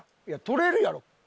いや取れるやろ。